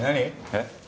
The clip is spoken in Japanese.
えっ？